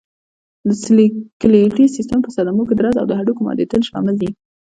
د سکلېټي سیستم په صدمو کې درز او د هډوکو ماتېدل شامل دي.